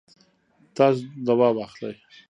تاسو دوا واخلئ